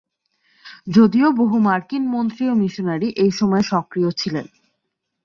যদিও বহু মার্কিন মন্ত্রী ও মিশনারি এই সময়ে সক্রিয় ছিলেন।